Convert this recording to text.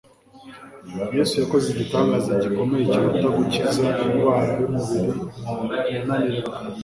Yesu yakoze igitangaza gikomeye kiruta gukiza indwara y'umubiri yananiranye;